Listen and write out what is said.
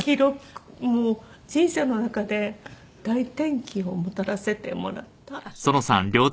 もう人生の中で大転機をもたらせてもらった日だったと思います。